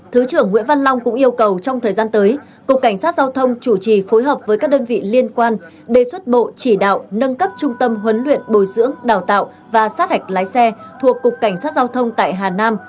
thứ trưởng nguyễn văn long cũng yêu cầu trong thời gian tới cục cảnh sát giao thông chủ trì phối hợp với các đơn vị liên quan đề xuất bộ chỉ đạo nâng cấp trung tâm huấn luyện bồi dưỡng đào tạo và sát hạch lái xe thuộc cục cảnh sát giao thông tại hà nam